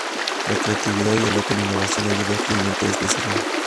La creatividad y el Open Innovation ayudan fielmente a este desarrollo.